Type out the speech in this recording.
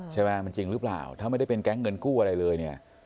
ใช่ไหมมันจริงหรือเปล่าถ้าไม่ได้เป็นแก๊งเงินกู้อะไรเลยเนี่ย